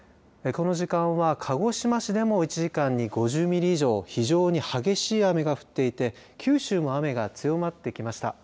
この時間は鹿児島市でも１時間に５０ミリ以上の非常に激しい雨が降っていて九州も雨が強まってきました。